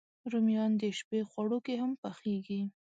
رومیان د شپی خواړو کې هم پخېږي